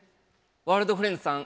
ワールドフレンズさん